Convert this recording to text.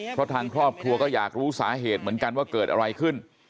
เพราะทางครอบครัวก็อยากรู้สาเหตุเหมือนกันว่าเกิดอะไรขึ้น